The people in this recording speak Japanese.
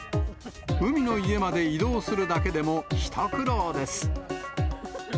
海の家まで移動するだけでも一苦労です。